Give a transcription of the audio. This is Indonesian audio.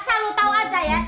asal lu tau aja ya